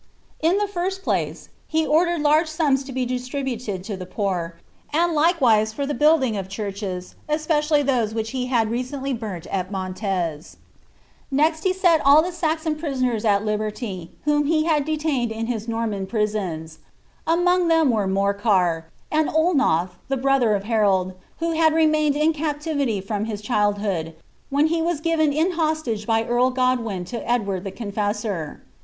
In the first place, he ordered large sums to be distributed to the poor, ind likewise for the building of churches, especially those which he had recently burnt at Mantes ; next he set all the Saxon prisoners at liberty irhom he had detained in his Norman prisons ; among them were Mor car, and Ulnoth, the brother of Harold, who had remained in captivity from his childhood, when he was given in hostage by earl (rodwin to Gdward the Confessor.